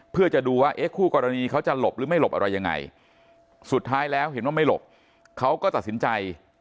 เพื่อจะดูว่าเอ๊ะคู่กรณีเขาจะหลบหรือไม่หลบอะไรยังไงสุดท้ายแล้วเห็นว่าไม่หลบเขาก็ตัดสินใจ